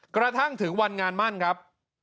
กระทั่งถึงวันงานมั่นครับ